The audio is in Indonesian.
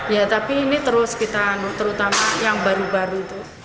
ya tapi ini terus kita terutama yang baru baru itu